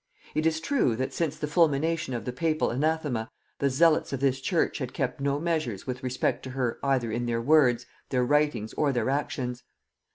It is true that, since the fulmination of the papal anathema, the zealots of this church had kept no measures with respect to her either in their words, their writings, or their actions.